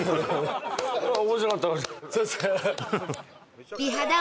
面白かった。